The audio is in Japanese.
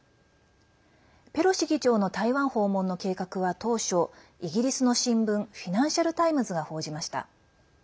ペロシ議長の台湾訪問の計画は当初、イギリスの新聞フィナンシャル・タイムズが報じました。